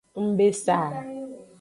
Ng be sa.